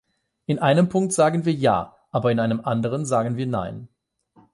In einem Punkt sagen wir ja, aber in einem anderen sagen wir nein.